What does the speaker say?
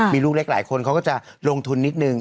มีลูกเล็กหลายคนเขาก็จะลงทุนนิดนึง